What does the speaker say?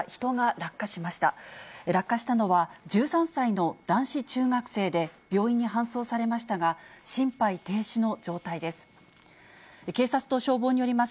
落下したのは、１３歳の男子中学生で、病院に搬送されましたが、心肺停止の状態です。